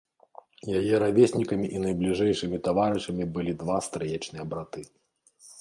Яе равеснікамі і найбліжэйшымі таварышамі былі два стрыечныя браты.